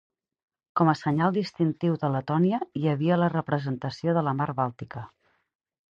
Com a senyal distintiu de Letònia hi havia la representació de la mar Bàltica.